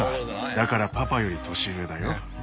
だからパパより年上だよ。